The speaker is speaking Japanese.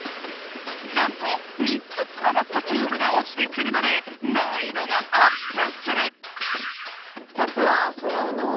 なんと３つつながったキューブがおちてくるので難易度がアップする！